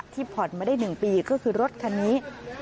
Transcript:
ผ่อนมาได้๑ปีก็คือรถคันนี้